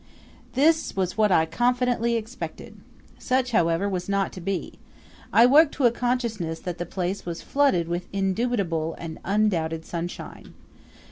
This was what I confidently expected. Such, however, was not to be. I woke to a consciousness that the place was flooded with indubitable and undoubted sunshine.